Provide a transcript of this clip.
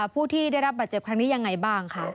ผู้ที่ได้รับบาดเจ็บครั้งนี้ยังไงบ้างค่ะ